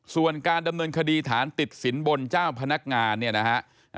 ส่วนการดำเนินคดีฐานติดสินบนเจ้าพนักงานเนี่ยนะฮะ